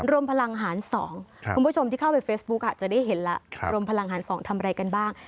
รวมพลังหาร๒คุณผู้ชมที่เข้าไปเฟซบุ๊กจะได้เห็นแล้วรวมพลังหาร๒ทำอะไรกันบ้าง